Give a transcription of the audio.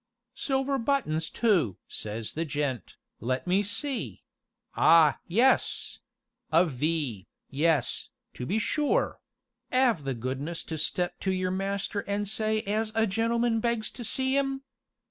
'Silver buttons too!' says the gent, 'let me see ah yes! a V, yes, to be sure 'ave the goodness to step to your master an' say as a gentleman begs to see 'im.'